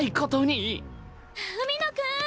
海野くーん！